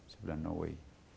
sebenarnya no way